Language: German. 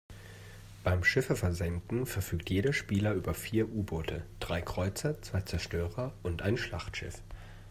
Beim Schiffe versenken verfügt jeder Spieler über vier U-Boote, drei Kreuzer, zwei Zerstörer und ein Schlachtschiff.